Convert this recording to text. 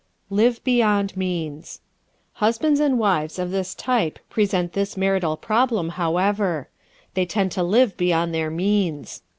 Live Beyond Means ¶ Husbands and wives of this type present this marital problem however: they tend to live beyond their means.